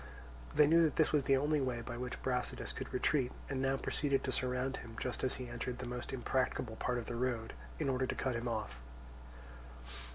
They knew that this was the only way by which Brasidas could retreat, and now proceeded to surround him just as he entered the most impracticable part of the road, in order to cut him off.